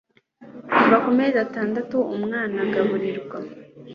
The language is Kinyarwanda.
kuva kumezi atandatu ku umwana agaburirwa